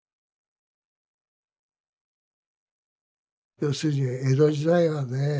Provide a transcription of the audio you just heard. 要するに江戸時代はね